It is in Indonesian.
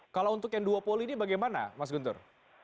kalau untuk yang duopoly ini bagaimana mas guntur